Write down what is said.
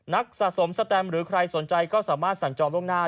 สะสมสแตมหรือใครสนใจก็สามารถสั่งจองล่วงหน้า